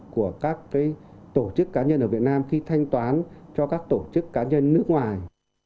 của các tổ chức cá nhân ở việt nam khi thanh toán cho các tổ chức cá nhân nước ngoài